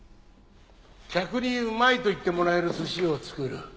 客にうまいと言ってもらえる寿司を作る。